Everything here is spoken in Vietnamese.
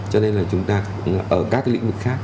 cho nên là chúng ta ở các lĩnh vực khác